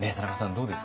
どうですか？